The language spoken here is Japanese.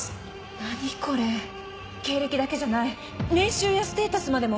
何これ経歴だけじゃない年収やステータスまでも。